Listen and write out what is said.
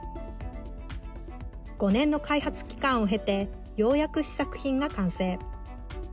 ５年の開発期間を経てようやく試作品が完成。